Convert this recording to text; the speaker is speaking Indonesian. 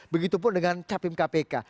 begitu pun dengan capim kpk